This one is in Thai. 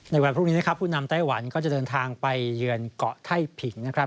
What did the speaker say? วันพรุ่งนี้นะครับผู้นำไต้หวันก็จะเดินทางไปเยือนเกาะไท่ผิงนะครับ